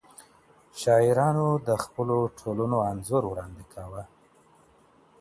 شاعرانو د خپلو ټولنو انځور وړاندې کاوه.